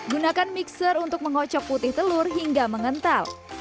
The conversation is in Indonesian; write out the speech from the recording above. gunakan mixer untuk mengocok putih telur hingga mengental